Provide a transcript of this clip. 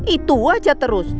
itu aja terus